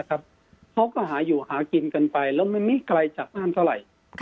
เขาก็หาอยู่หากินกันไปแล้วไม่มีใครจากบ้านเศร้าไหร่